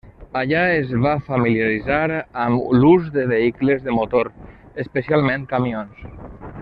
Allà es va familiaritzar amb l'ús de vehicles de motor, especialment camions.